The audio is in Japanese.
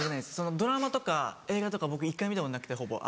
ドラマとか映画とか僕１回も見たことなくてほぼ。